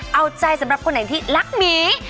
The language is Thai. เอาใจสำหรับคนไหนที่รักหมี